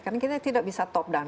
karena kita tidak bisa top down